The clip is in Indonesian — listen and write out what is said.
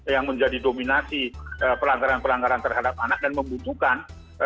yang menjadi dominasi pelanggaran pelanggaran terhadap anak dan membutuhkan